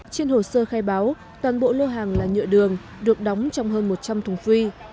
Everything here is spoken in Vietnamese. trên hồ sơ khai báo toàn bộ lô hàng là nhựa đường được đóng trong hơn một trăm linh thùng phi